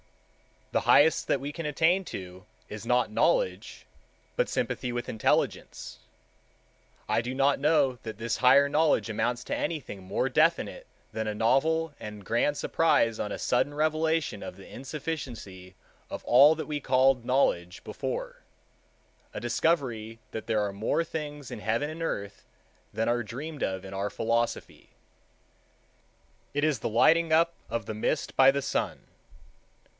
The highest that we can attain to is not Knowledge, but Sympathy with Intelligence. I do not know that this higher knowledge amounts to anything more definite than a novel and grand surprise on a sudden revelation of the insufficiency of all that we called Knowledge before—a discovery that there are more things in heaven and earth than are dreamed of in our philosophy. It is the lighting up of the mist by the sun.